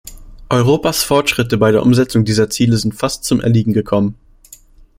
Europas Fortschritte bei der Umsetzung dieser Ziele sind fast zum Erliegen gekommen.